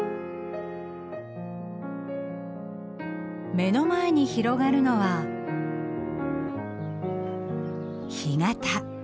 目の前に広がるのは干潟。